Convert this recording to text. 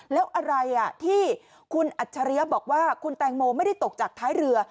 แล้วอะไรที่คุณอัจฉริยะบอกว่าคุณแตงโมไม่ได้ตกจากท้ายเรือ